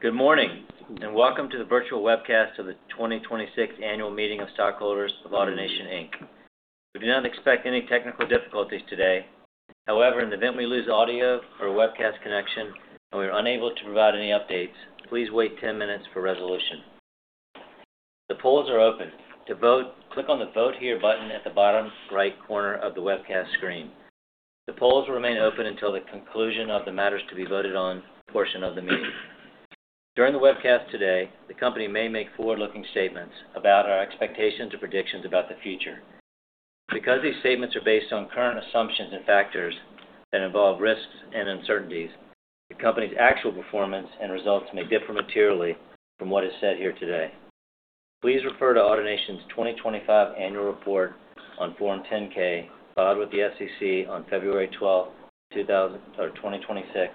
Good morning, and welcome to the virtual webcast of the 2026 Annual Meeting of Stockholders of AutoNation, Inc. We do not expect any technical difficulties today. However, in the event we lose audio or webcast connection and we are unable to provide any updates, please wait 10 minutes for resolution. The polls are open. To vote, click on the Vote Here button at the bottom right corner of the webcast screen. The polls will remain open until the conclusion of the matters to be voted on portion of the meeting. During the webcast today, the company may make forward-looking statements about our expectations or predictions about the future. Because these statements are based on current assumptions and factors that involve risks and uncertainties, the company's actual performance and results may differ materially from what is said here today. Please refer to AutoNation's 2025 Annual Report on Form 10-K, filed with the SEC on February 12th, 2026,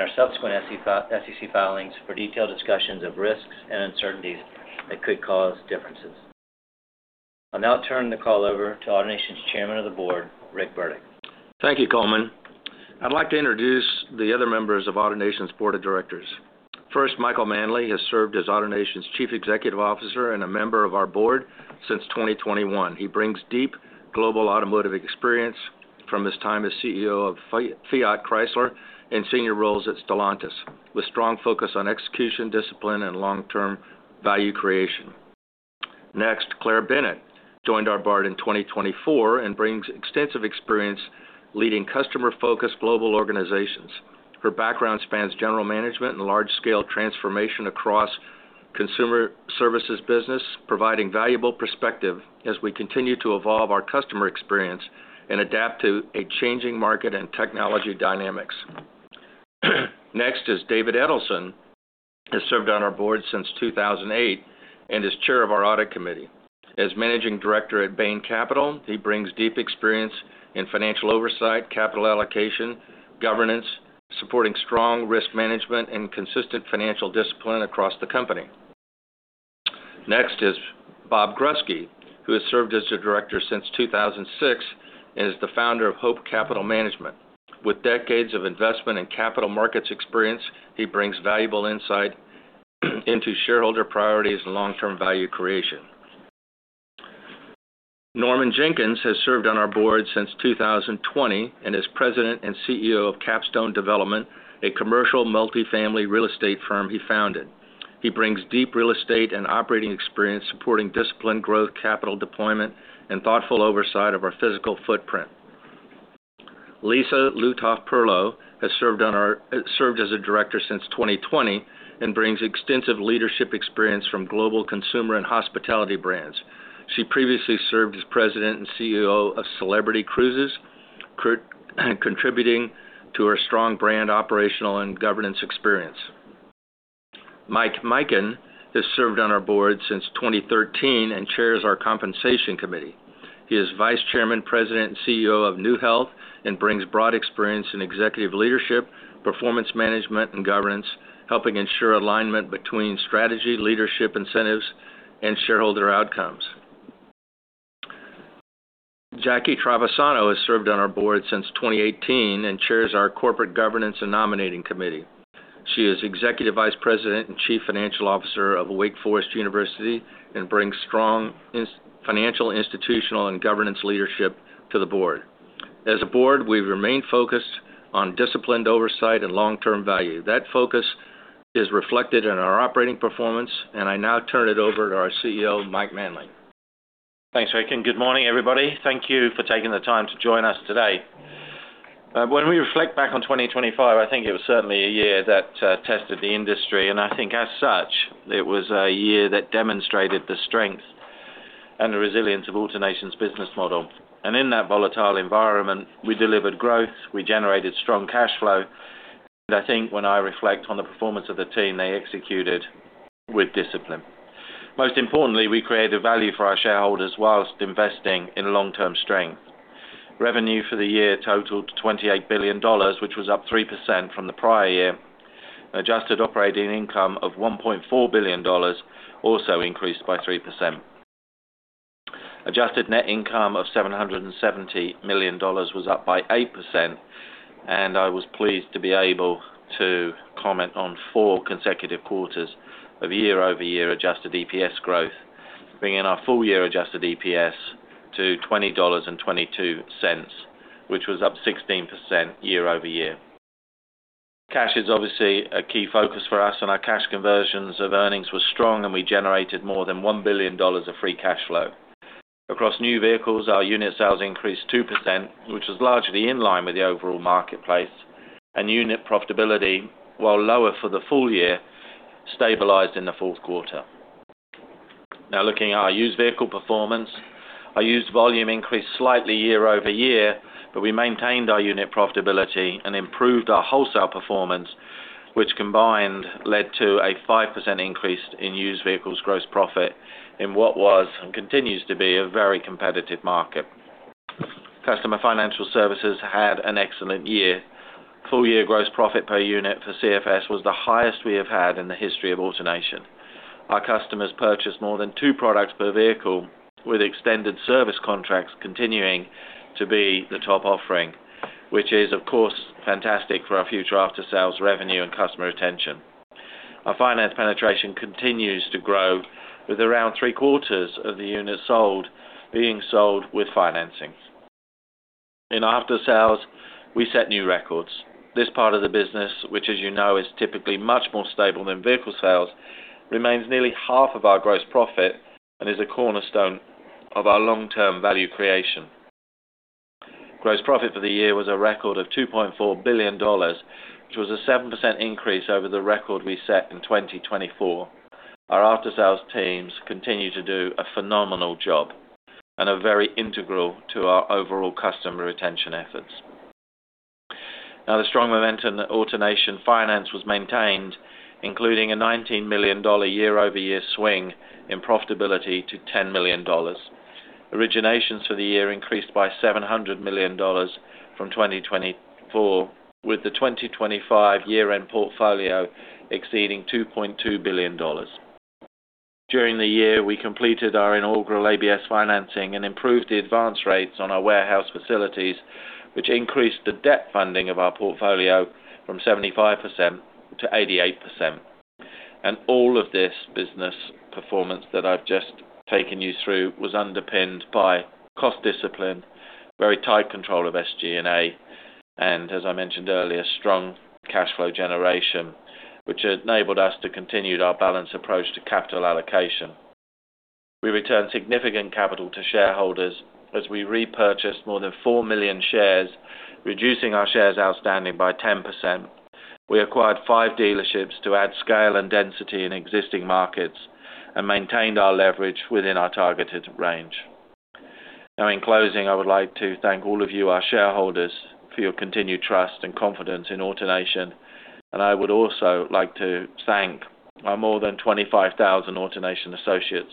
and our subsequent SEC filings for detailed discussions of risks and uncertainties that could cause differences. I'll now turn the call over to AutoNation's Chairman of the Board, Rick Burdick. Thank you, Coleman. I'd like to introduce the other members of AutoNation's Board of Directors. First, Michael Manley has served as AutoNation's Chief Executive Officer and a member of our board since 2021. He brings deep global automotive experience from his time as CEO of Fiat Chrysler and senior roles at Stellantis, with strong focus on execution, discipline, and long-term value creation. Next, Claire Bennett joined our board in 2024 and brings extensive experience leading customer-focused global organizations. Her background spans general management and large-scale transformation across consumer services business, providing valuable perspective as we continue to evolve our customer experience and adapt to a changing market and technology dynamics. Next is David Edelson, has served on our board since 2008 and is Chair of our Audit Committee. As Managing Director at Bain Capital, he brings deep experience in financial oversight, capital allocation, governance, supporting strong risk management and consistent financial discipline across the company. Next is Bob Grusky, who has served as a Director since 2006 and is the Founder of Hope Capital Management. With decades of investment in capital markets experience, he brings valuable insight into shareholder priorities and long-term value creation. Norman Jenkins has served on our board since 2020 and is President and CEO of Capstone Development, a commercial multifamily real estate firm he founded. He brings deep real estate and operating experience supporting disciplined growth, capital deployment, and thoughtful oversight of our physical footprint. Lisa Lutoff-Perlo has served as a Director since 2020 and brings extensive leadership experience from global consumer and hospitality brands. She previously served as President and CEO of Celebrity Cruises, contributing to her strong brand, operational, and governance experience. Mike Mikan has served on our board since 2013 and chairs our Compensation Committee. He is Vice Chairman, President and CEO of NeueHealth and brings broad experience in executive leadership, performance management, and governance, helping ensure alignment between strategy, leadership, incentives, and shareholder outcomes. Jacque Travisano has served on our board since 2018 and chairs our Corporate Governance and Nominating Committee. She is Executive Vice President and Chief Financial Officer of Wake Forest University and brings strong financial, institutional, and governance leadership to the board. As a board, we've remained focused on disciplined oversight and long-term value. That focus is reflected in our operating performance, and I now turn it over to our CEO, Mike Manley. Thanks, Rick. Good morning, everybody. Thank you for taking the time to join us today. When we reflect back on 2025, I think it was certainly a year that tested the industry, I think as such, it was a year that demonstrated the strength and the resilience of AutoNation's business model. In that volatile environment, we delivered growth, we generated strong cash flow, I think when I reflect on the performance of the team, they executed with discipline. Most importantly, we created value for our shareholders whilst investing in long-term strength. Revenue for the year totaled $28 billion, which was up 3% from the prior year. Adjusted operating income of $1.4 billion also increased by 3%. Adjusted net income of $770 million was up by 8%, and I was pleased to be able to comment on four consecutive quarters of year-over-year adjusted EPS growth, bringing our full year adjusted EPS to $20.22, which was up 16% year-over-year. Cash is obviously a key focus for us, and our cash conversions of earnings were strong, and we generated more than $1 billion of free cash flow. Across new vehicles, our unit sales increased 2%, which was largely in line with the overall marketplace, and unit profitability, while lower for the full year, stabilized in the fourth quarter. Now looking at our used vehicle performance. Our used volume increased slightly year-over-year, but we maintained our unit profitability and improved our wholesale performance, which combined led to a 5% increase in used vehicles gross profit in what was and continues to be a very competitive market. Customer Financial Services had an excellent year. Full year gross profit per unit for CFS was the highest we have had in the history of AutoNation. Our customers purchased more than two products per vehicle, with extended service contracts continuing to be the top offering, which is of course fantastic for our future after-sales revenue and customer retention. Our finance penetration continues to grow, with around three-quarters of the units sold being sold with financing. In after-sales, we set new records. This part of the business, which as you know, is typically much more stable than vehicle sales, remains nearly half of our gross profit and is a cornerstone of our long-term value creation. Gross profit for the year was a record of $2.4 billion, which was a 7% increase over the record we set in 2024. Our after-sales teams continue to do a phenomenal job and are very integral to our overall customer retention efforts. Now, the strong momentum that AutoNation Finance was maintained, including a $19 million year-over-year swing in profitability to $10 million. Originations for the year increased by $700 million from 2024, with the 2025 year-end portfolio exceeding $2.2 billion. During the year, we completed our inaugural ABS financing and improved the advance rates on our warehouse facilities, which increased the debt funding of our portfolio from 75%-88%. All of this business performance that I've just taken you through was underpinned by cost discipline, very tight control of SG&A, and as I mentioned earlier, strong cash flow generation, which enabled us to continue our balanced approach to capital allocation. We returned significant capital to shareholders as we repurchased more than 4 million shares, reducing our shares outstanding by 10%. We acquired five dealerships to add scale and density in existing markets and maintained our leverage within our targeted range. In closing, I would like to thank all of you, our shareholders, for your continued trust and confidence in AutoNation. I would also like to thank our more than 25,000 AutoNation associates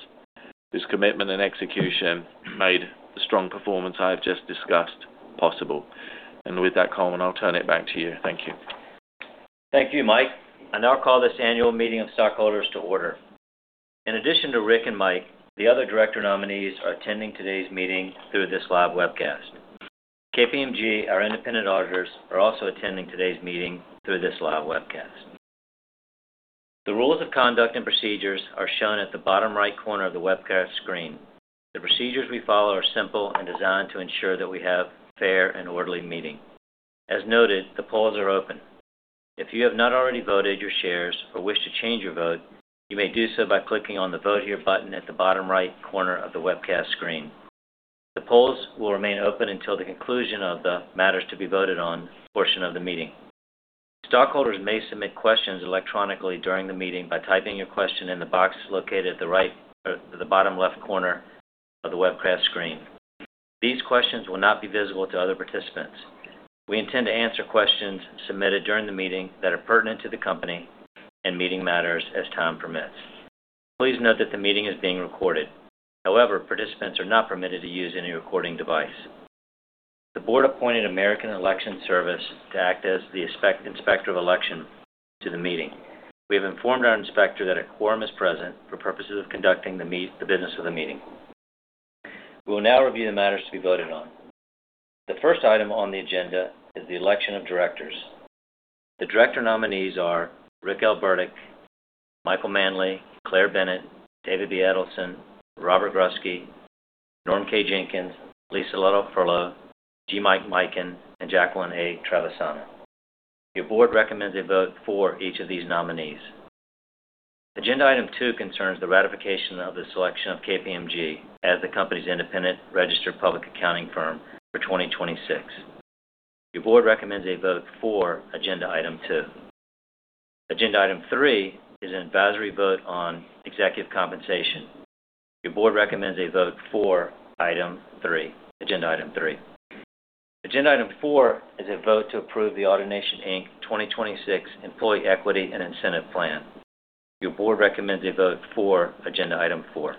whose commitment and execution made the strong performance I have just discussed possible. With that, Coleman, I'll turn it back to you. Thank you. Thank you, Mike. I'll call this annual meeting of stockholders to order. In addition to Rick and Mike, the other director nominees are attending today's meeting through this live webcast. KPMG, our independent auditors, are also attending today's meeting through this live webcast. The rules of conduct and procedures are shown at the bottom right corner of the webcast screen. The procedures we follow are simple and designed to ensure that we have fair and orderly meeting. As noted, the polls are open. If you have not already voted your shares or wish to change your vote, you may do so by clicking on the Vote Here button at the bottom right corner of the webcast screen. The polls will remain open until the conclusion of the Matters to be Voted On portion of the meeting. Stockholders may submit questions electronically during the meeting by typing your question in the box located at the right or the bottom left corner of the webcast screen. These questions will not be visible to other participants. We intend to answer questions submitted during the meeting that are pertinent to the company and meeting matters as time permits. Please note that the meeting is being recorded. Participants are not permitted to use any recording device. The Board appointed American Election Services to act as the inspector of election to the meeting. We have informed our inspector that a quorum is present for purposes of conducting the business of the meeting. We will now review the matters to be voted on. The first item on the agenda is the election of directors. The director nominees are Rick L. Burdick, Michael Manley, Claire Bennett, David B. Edelson, Robert Grusky, Norman K. Jenkins, Lisa Lutoff-Perlo, G. Mike Mikan, and Jacqueline A. Travisano. Your Board recommends a vote for each of these nominees. Agenda Item 2 concerns the ratification of the selection of KPMG as the company's independent registered public accounting firm for 2026. Your Board recommends a vote for Agenda Item 2. Agenda Item 3 is an advisory vote on executive compensation. Your Board recommends a vote for Item 3, Agenda Item 3. Agenda Item 4 is a vote to approve the AutoNation, Inc 2026 Employee Equity and Incentive Plan. Your Board recommends a vote for Agenda Item 4.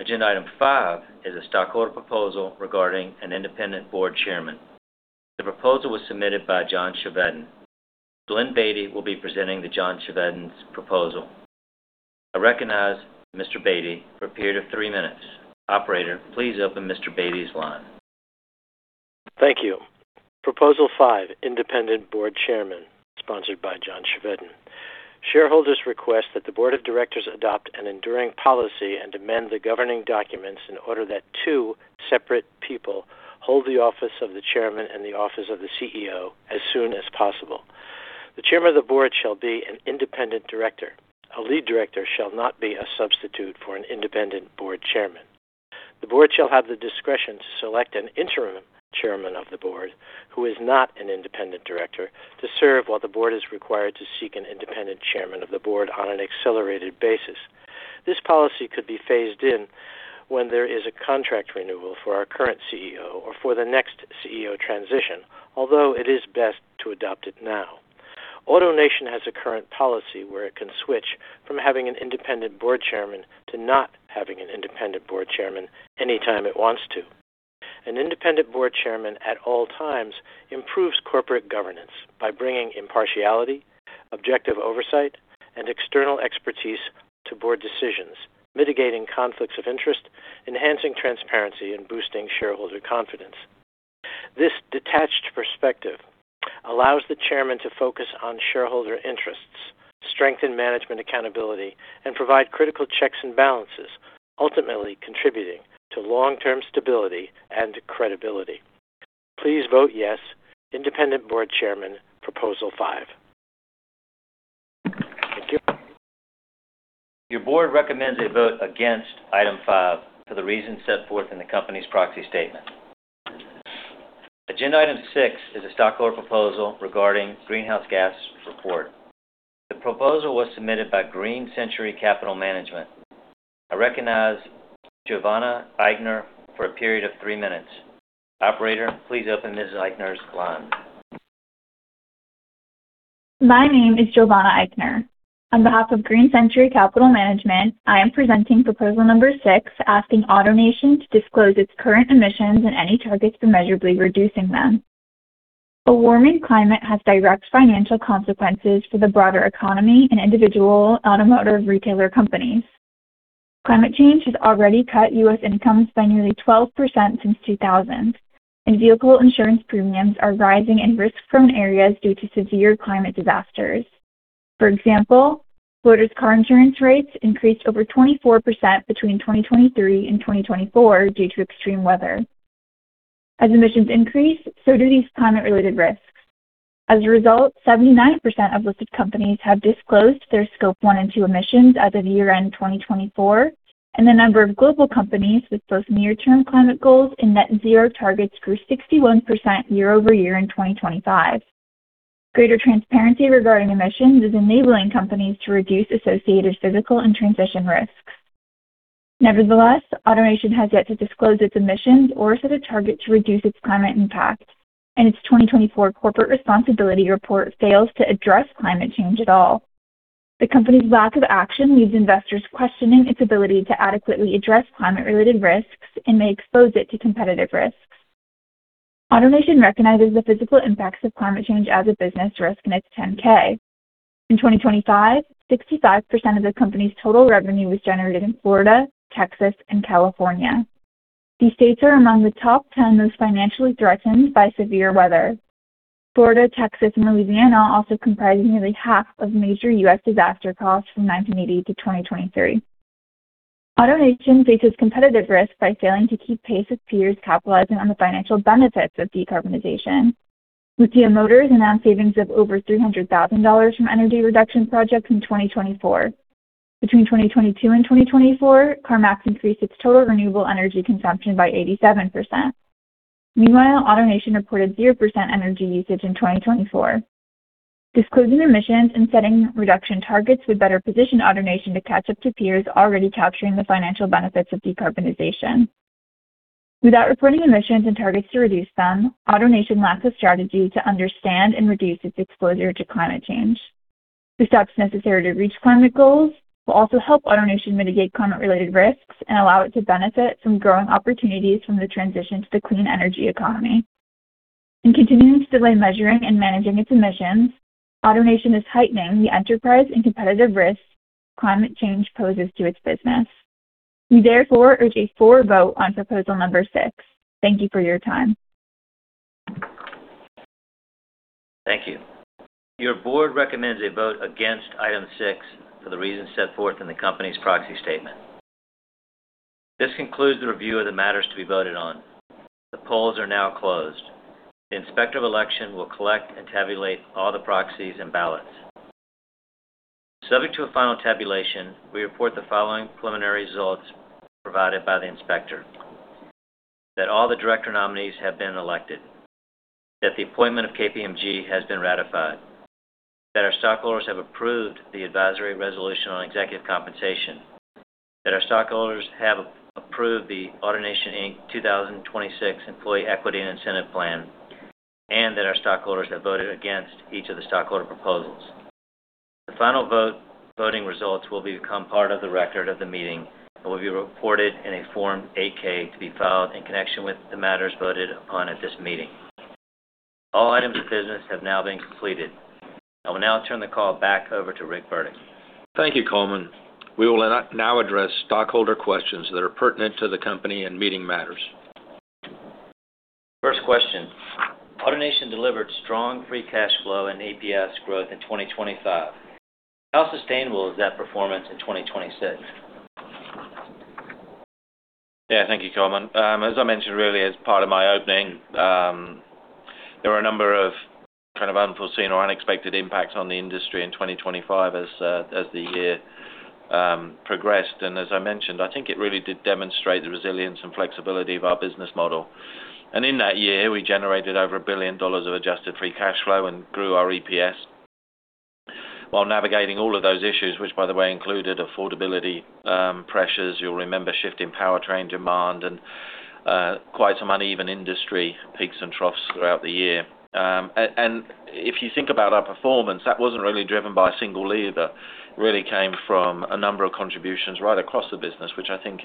Agenda Item 5 is a stockholder proposal regarding an Independent Board Chairman. The proposal was submitted by John Chevedden. [Glenn Bady] will be presenting the John Chevedden's proposal. I recognize Mr. [Bady] for a period of three minutes. Operator, please open Mr. [Bady's] line. Thank you. Proposal 5, Independent Board Chairman, sponsored by John Chevedden. Shareholders request that the Board of Directors adopt an enduring policy and amend the governing documents in order that two separate people hold the office of the Chairman and the office of the CEO as soon as possible. The Chairman of the Board shall be an independent director. A lead director shall not be a substitute for an Independent Board Chairman. The board shall have the discretion to select an Interim Chairman of the Board who is not an Independent Director to serve while the board is required to seek an Independent Chairman of the Board on an accelerated basis. This policy could be phased in when there is a contract renewal for our current CEO or for the next CEO transition, although it is best to adopt it now. AutoNation has a current policy where it can switch from having an Independent Board Chairman to not having an Independent Board Chairman anytime it wants to. An Independent Board Chairman at all times improves corporate governance by bringing impartiality, objective oversight, and external expertise to board decisions, mitigating conflicts of interest, enhancing transparency, and boosting shareholder confidence. This detached perspective allows the chairman to focus on shareholder interests, strengthen management accountability, and provide critical checks and balances, ultimately contributing to long-term stability and credibility. Please vote yes. Independent Board Chairman, proposal 5. Your board recommends a vote against item five for the reasons set forth in the company's proxy statement. Agenda Item 6 is a stockholder proposal regarding greenhouse gas report. The proposal was submitted by Green Century Capital Management. I recognize Giovanna Eichner for a period of three minutes. Operator, please open Ms. Eichner's line. My name is Giovanna Eichner. On behalf of Green Century Capital Management, I am presenting proposal number 6, asking AutoNation to disclose its current emissions and any targets for measurably reducing them. A warming climate has direct financial consequences for the broader economy and individual automotive retailer companies. Climate change has already cut U.S. incomes by nearly 12% since 2000, and vehicle insurance premiums are rising in risk-prone areas due to severe climate disasters. For example, Florida's car insurance rates increased over 24% between 2023 and 2024 due to extreme weather. As emissions increase, so do these climate-related risks. As a result, 79% of listed companies have disclosed their Scope 1 and 2 emissions as of year-end 2024, and the number of global companies with both near-term climate goals and net zero targets grew 61% year-over-year in 2025. Greater transparency regarding emissions is enabling companies to reduce associated physical and transition risks. Nevertheless, AutoNation has yet to disclose its emissions or set a target to reduce its climate impact, and its 2024 corporate responsibility report fails to address climate change at all. The company's lack of action leaves investors questioning its ability to adequately address climate-related risks and may expose it to competitive risks. AutoNation recognizes the physical impacts of climate change as a business risk in its 10-K. In 2025, 65% of the company's total revenue was generated in Florida, Texas, and California. These states are among the top 10 most financially threatened by severe weather. Florida, Texas, and Louisiana also comprise nearly half of major U.S. disaster costs from 1980 to 2023. AutoNation faces competitive risks by failing to keep pace with peers capitalizing on the financial benefits of decarbonization. Lithia Motors announced savings of over $300,000 from energy reduction projects in 2024. Between 2022 and 2024, CarMax increased its total renewable energy consumption by 87%. Meanwhile, AutoNation reported 0% energy usage in 2024. Disclosing emissions and setting reduction targets would better position AutoNation to catch up to peers already capturing the financial benefits of decarbonization. Without reporting emissions and targets to reduce them, AutoNation lacks a strategy to understand and reduce its exposure to climate change. The steps necessary to reach climate goals will also help AutoNation mitigate climate-related risks and allow it to benefit from growing opportunities from the transition to the clean energy economy. In continuing to delay measuring and managing its emissions, AutoNation is heightening the enterprise and competitive risks climate change poses to its business. We therefore urge a for vote on proposal number 6. Thank you for your time. Thank you. Your Board recommends a vote against item 6 for the reasons set forth in the company's proxy statement. This concludes the review of the matters to be voted on. The polls are now closed. The Inspector of Election will collect and tabulate all the proxies and ballots. Subject to a final tabulation, we report the following preliminary results provided by the inspector. That all the Director nominees have been elected, that the appointment of KPMG has been ratified, that our stockholders have approved the advisory resolution on executive compensation, that our stockholders have approved the AutoNation, Inc 2026 Employee Equity and Incentive Plan, and that our stockholders have voted against each of the stockholder proposals. The final vote, voting results will become part of the record of the meeting and will be reported in a Form 8-K to be filed in connection with the matters voted upon at this meeting. All items of business have now been completed. I will now turn the call back over to Rick Burdick. Thank you, Coleman. We will now address stockholder questions that are pertinent to the company and meeting matters. First question. AutoNation delivered strong free cash flow and EPS growth in 2025. How sustainable is that performance in 2026? Thank you, Coleman. As I mentioned earlier, as part of my opening, there were a number of kind of unforeseen or unexpected impacts on the industry in 2025 as the year progressed. As I mentioned, I think it really did demonstrate the resilience and flexibility of our business model. In that year, we generated over $1 billion of adjusted free cash flow and grew our EPS while navigating all of those issues, which by the way, included affordability pressures, you'll remember, shift in powertrain demand and quite some uneven industry peaks and troughs throughout the year. If you think about our performance, that wasn't really driven by a single lever. Really came from a number of contributions right across the business, which I think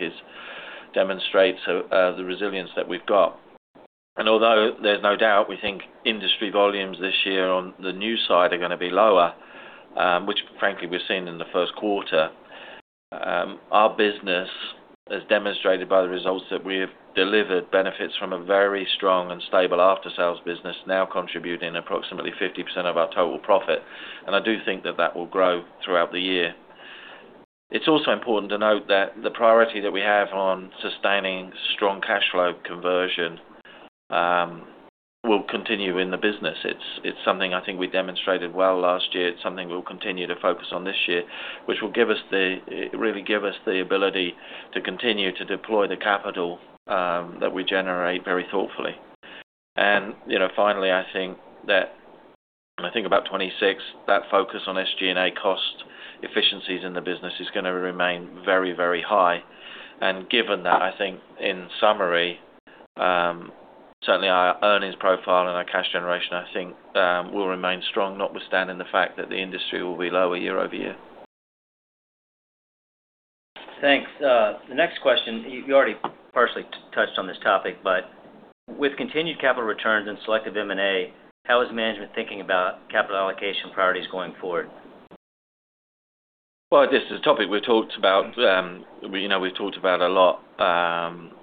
demonstrates the resilience that we've got. Although there's no doubt we think industry volumes this year on the new side are going to be lower, which frankly, we've seen in the first quarter, our business is demonstrated by the results that we have delivered benefits from a very strong and stable after-sales business now contributing approximately 50% of our total profit. I do think that that will grow throughout the year. It's also important to note that the priority that we have on sustaining strong cash flow conversion will continue in the business. It's something I think we demonstrated well last year. It's something we'll continue to focus on this year, which will really give us the ability to continue to deploy the capital that we generate very thoughtfully. You know, finally, I think that when I think about 2026, that focus on SG&A cost efficiencies in the business is gonna remain very, very high. Given that, I think in summary, certainly our earnings profile and our cash generation, I think, will remain strong notwithstanding the fact that the industry will be lower year-over-year. Thanks. The next question, you already partially touched on this topic, but with continued capital returns and selective M&A, how is management thinking about capital allocation priorities going forward? Well, this is a topic we've talked about, you know, we've talked about a lot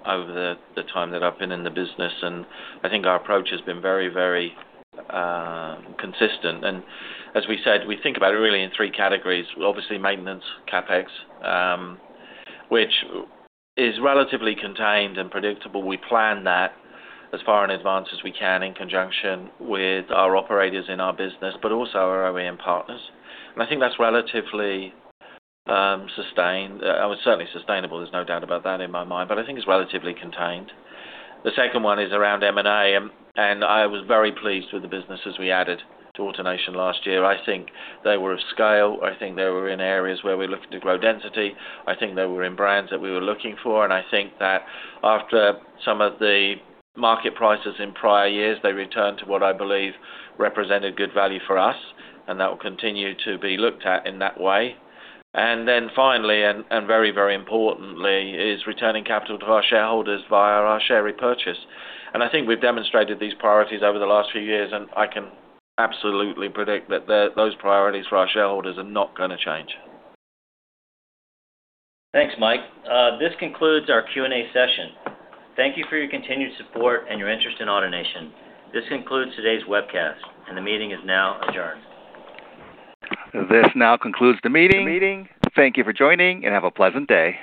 over the time that I've been in the business, and I think our approach has been very, very consistent. As we said, we think about it really in three categories. Obviously, maintenance CapEx, which is relatively contained and predictable. We plan that as far in advance as we can in conjunction with our operators in our business, but also our OEM partners. I think that's relatively sustained. Certainly sustainable there's no doubt about that in my mind, but I think it's relatively contained. The second one is around M&A, and I was very pleased with the businesses we added to AutoNation last year. I think they were of scale. I think they were in areas where we looked to grow density. I think they were in brands that we were looking for. I think that after some of the market prices in prior years, they returned to what I believe represented good value for us, and that will continue to be looked at in that way. Then finally and very, very importantly is returning capital to our shareholders via our share repurchase. I think we've demonstrated these priorities over the last few years, and I can absolutely predict that those priorities for our shareholders are not gonna change. Thanks, Mike. This concludes our Q&A session. Thank you for your continued support and your interest in AutoNation. This concludes today's webcast, and the meeting is now adjourned. This now concludes the meeting. Thank you for joining, and have a pleasant day.